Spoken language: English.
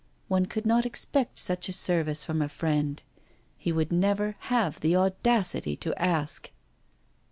One could not expect such a service from a friend; he would never have the audacity to ask.